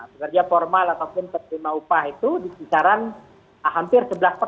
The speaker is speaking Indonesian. pekerja formal ataupun terima upah itu disisaran hampir sebelas persen